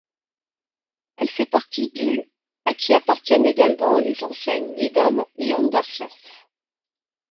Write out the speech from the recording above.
Elle fait partie du à qui appartiennent également les enseignes Lidl et Handelshof.